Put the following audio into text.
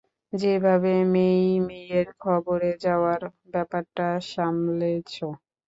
যেভাবে মেই-মেইয়ের খবরে যাওয়ার ব্যাপারটা সামলেছ?